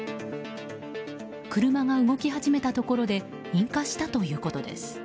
車が動き始めたところで引火したということです。